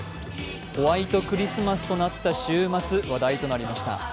ホワイトクリスマスとなった週末、話題となりました。